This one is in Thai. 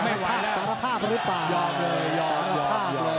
ไม่ไหวแล้ว